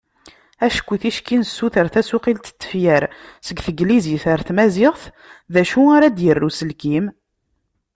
Acku ticki nessuter tasuqlit n tefyar seg teglizit ɣer tmaziɣt, d acu ara d-yerr uselkim?